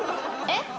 えっ？